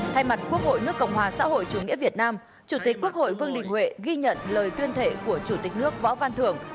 thay mặt quốc hội nước cộng hòa xã hội chủ nghĩa việt nam chủ tịch quốc hội vương đình huệ ghi nhận lời tuyên thệ của chủ tịch nước võ văn thưởng